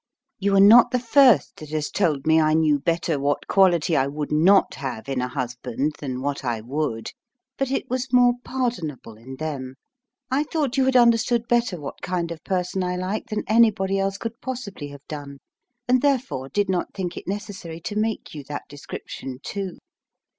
You are not the first that has told me I knew better what quality I would not have in a husband than what I would; but it was more pardonable in them. I thought you had understood better what kind of person I liked than anybody else could possibly have done, and therefore did not think it necessary to make you that description too.